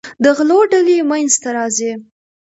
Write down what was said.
د غلو ډلې منځته راځي.